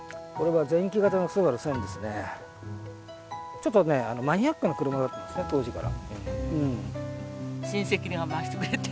ちょっとマニアックな車だったんですね、当時から。